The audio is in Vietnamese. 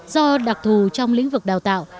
do đặc thù trong lĩnh vực đào tạo